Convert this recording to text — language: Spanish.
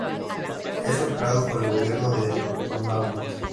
Es operado por el gobierno de Nunavut.